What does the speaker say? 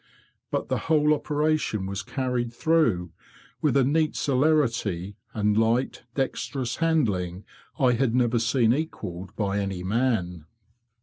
But the whole operation was carried through with a neat celerity, and light, dexterous handling, I had never seen equalled by any man.